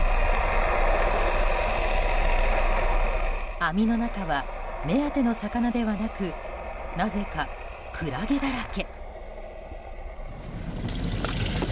網の中は目当ての魚ではなくなぜかクラゲだらけ。